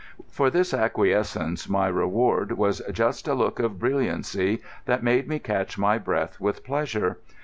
For this acquiescence my reward was just a look of brilliancy that made me catch my breath with pleasure.